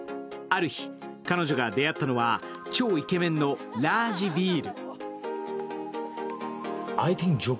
ある日、彼女が出会ったのは、超イケメンのラージヴィール。